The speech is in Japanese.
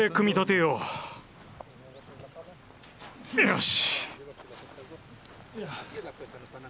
よし。